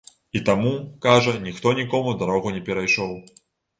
І таму, кажа, ніхто нікому дарогу не перайшоў.